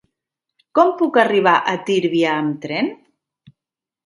Com puc arribar a Tírvia amb tren?